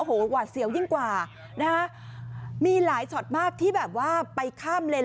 โอ้โหหวาดเสียวยิ่งกว่านะฮะมีหลายช็อตมากที่แบบว่าไปข้ามเลน